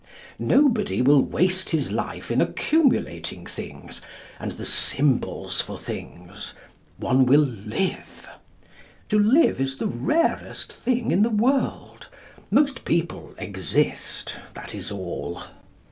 Nobody will waste his life in accumulating things, and the symbols for things. One will live. To live is the rarest thing in the world. Most people exist, that is all.